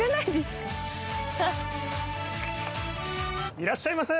いらっしゃいませ。